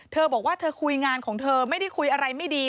เธอบอกว่าเธอคุยงานของเธอไม่ได้คุยอะไรไม่ดี